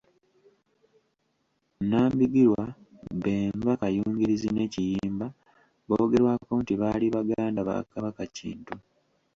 Nambigirwa, Bemba, Kayungirizi ne Kiyimba boogerwako nti baali baganda ba Kabaka Kintu.